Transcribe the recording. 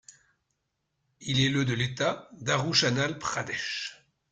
Il est le de l'État d'Arunachal Pradesh.